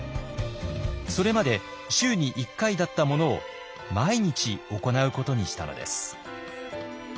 それまで週に１回だったものを毎日行うことにしたのです。